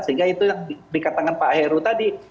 sehingga itu yang dikatakan pak heru tadi